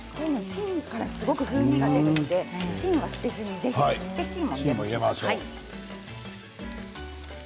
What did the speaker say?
芯から風味が出るので芯も捨てずに入れましょう。